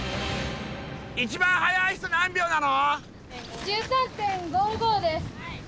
一番速い人何秒なの？